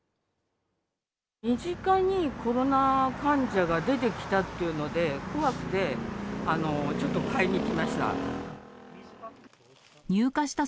身近にコロナ患者が出てきたっていうので、怖くて、ちょっと買いに来ました。